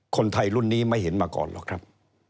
คนไทยรุ่นนี้ไม่เห็นมาก่อนหรอกครับ